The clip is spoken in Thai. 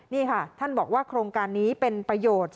นี่ค่ะท่านบอกว่าโครงการนี้เป็นประโยชน์